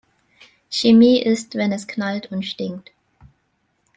Chemie ist, wenn es knallt und stinkt.